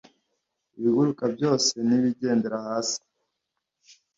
ibiguruka byose ntibijyendahasi .